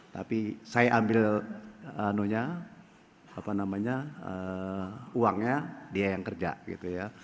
tapi saya ambil uangnya dia yang kerja gitu ya